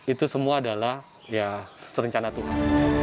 itu semua adalah ya serencana tuhan